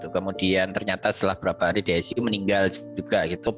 kemudian ternyata setelah beberapa hari di icu meninggal juga